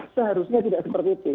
seharusnya tidak seperti itu